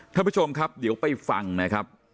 ท่านผู้ชมครับเดี๋ยวไปฟังนะครับ